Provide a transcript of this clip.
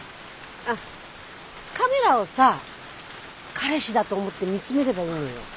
あっカメラをさ彼氏だと思って見つめればいいのよ。